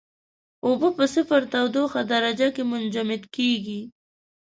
اوبه په صفر تودوخې درجه کې منجمد کیږي.